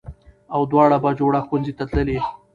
او دواړه بهجوړه ښوونځي ته تللې